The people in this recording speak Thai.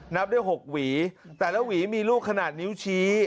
นับได้๖หวีแต่ละหวีมีลูกขนาดนิ้วชี้